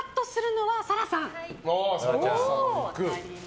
はい。